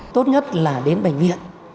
tốt nhất là đến bệnh viện